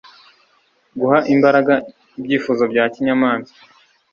guha imbaraga ibyifuzo bya kinyamaswa